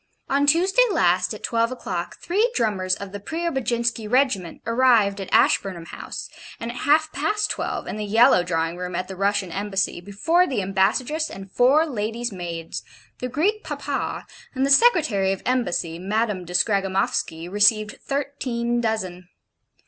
On Tuesday last, at twelve o'clock, three drummers of the Preobajinski Regiment arrived at Ashburnham House, and at half past twelve, in the yellow drawing room at the Russian Embassy, before the ambassadress and four ladies' maids, the Greek Papa, and the Secretary of Embassy, Madame de Scragamoffsky received thirteen dozen.